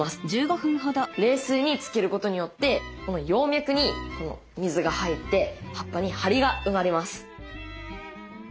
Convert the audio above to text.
冷水につけることによってこの葉脈に水が入って葉っぱにハリが生まれます。